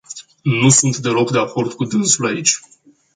Nu sunt deloc de acord cu dânsul aici.